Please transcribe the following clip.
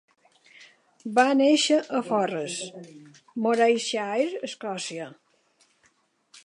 Va néixer a Forres, Morayshire, Escòcia.